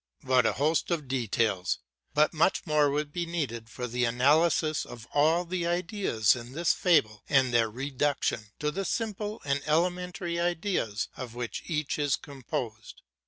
What a host of details! but much more would be needed for the analysis of all the ideas in this fable and their reduction to the simple and elementary ideas of which each is composed.